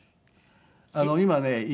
今ね